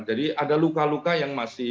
jadi ada luka luka yang masih